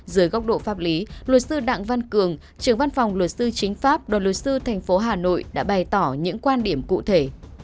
dưới góc độ pháp lý luật sư đặng văn cường trưởng văn phòng luật sư chính pháp đoàn luật sư thành phố hà nội đã bày tỏ những quan điểm cụ thể